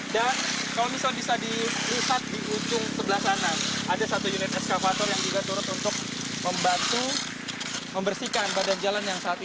dan kalau misal bisa diusat di ujung sebelah sana ada satu unit eskavator yang juga turut untuk membantu membersihkan badan jalan yang saat ini